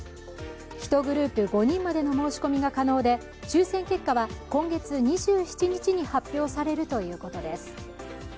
１グループ５人までの申し込みが可能で抽選結果は今月２７日に発表されるということです。